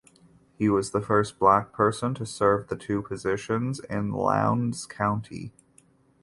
He was the first black person to serve the two positions in Lowndes County.